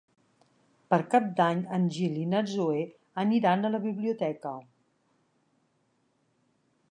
Per Cap d'Any en Gil i na Zoè aniran a la biblioteca.